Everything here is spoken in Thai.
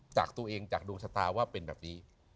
จากตัวเองจากดวงชะตาว่าเป็นแบบนี้